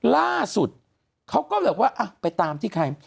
ล่าสุดเขาก็เลยแบบว่าไปตามที่ใคร